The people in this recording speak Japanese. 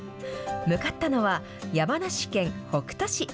向かったのは、山梨県北杜市。